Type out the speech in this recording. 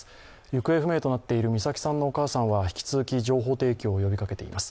行方不明となっている美咲さんのお母さんは引き続き情報提供を呼びかけています。